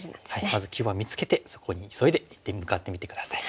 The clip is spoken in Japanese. まず急場を見つけてそこに急いで向かってみて下さい。